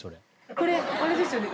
これあれですよね。